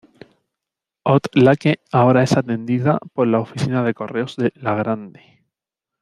Hot Lake ahora es atendida por la oficina de correos de La Grande.